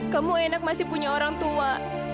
kamu enak masih punya orang tua